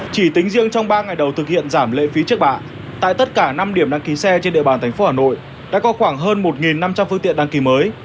chỉ tính riêng trong ba ngày đầu thực hiện giảm lệ phí trước bạ tại tất cả năm điểm đăng ký xe trên địa bàn tp hà nội đã có khoảng hơn một năm trăm linh phương tiện đăng ký mới